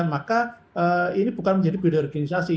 maka ini bukan menjadi pilihan organisasi